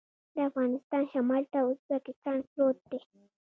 د افغانستان شمال ته ازبکستان پروت دی